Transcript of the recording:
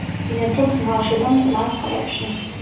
ბინადრობს მლაშე და მტკნარ წყლებში.